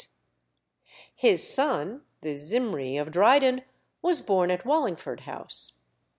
His son, the Zimri of Dryden, was born at Wallingford House.